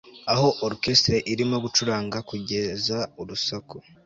aho orchestre irimo gucuranga kugeza urusaku